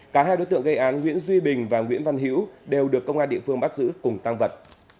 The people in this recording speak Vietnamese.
cả hai đối tượng gây án nguyễn duy bình và nguyễn văn hữu đều được công an địa phương bắt giữ cùng tăng vật